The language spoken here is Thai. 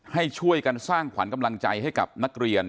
ให้ช่วยกันสร้างขวัญกำลังใจให้กับนักเรียน